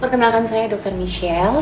perkenalkan saya dr michelle